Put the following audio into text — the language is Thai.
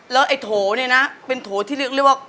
แล้วไอ้โถเนี่ยนะเป็นโถที่เรียกว่า